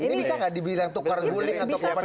ini bisa tidak dibilang tukar guling atau penyeimbang